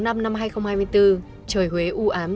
năm hai nghìn hai mươi bốn trời huế u ám